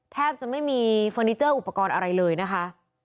แทบจะไม่มีเฟอร์นิเจอร์อุปกรณ์อะไรเลยนะคะ